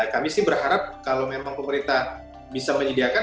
kami sih berharap kalau memang pemerintah bisa menyediakan